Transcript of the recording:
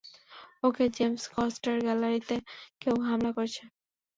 ওকে James Coster গ্যালারিতে কেউ হামলা করেছেন।